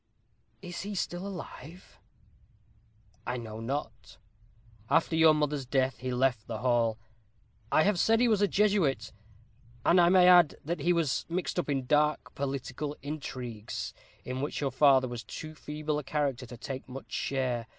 "Is he still alive?" "I know not. After your mother's death he left the hall. I have said he was a Jesuit, and I may add, that he was mixed up in dark political intrigues, in which your father was too feeble a character to take much share.